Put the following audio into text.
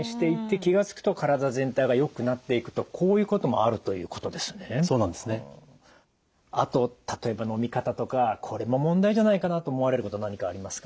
あと例えばのみ方とかこれも問題じゃないかなと思われること何かありますか？